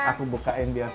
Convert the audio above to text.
aku bukain biasa